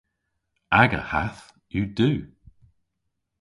Aga hath yw du.